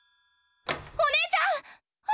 お姉ちゃん！